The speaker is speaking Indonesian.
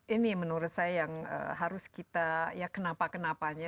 ini menurut saya yang harus kita ya kenapa kenapanya